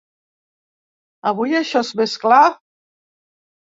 Avui això és més clar?